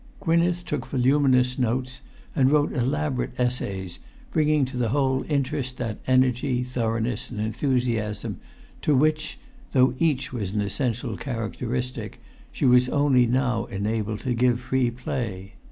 Gwynneth took voluminous notes and wrote elaborate essays, bringing to the whole interest that energy, thoroughness and enthusiasm, to which, though each was an essential characteristic, she was only now enabled to give free play.